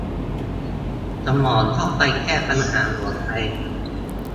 สมองเข้าไปแก้ปัญหาหัวใจ